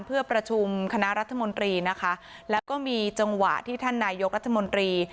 เพื่อประชุมคณะรัฐมนตรีนะคะแล้วก็มีจังหวะที่ท่านนายกรัฐมนตรี